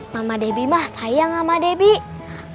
mama debbie mah sayang sama debbie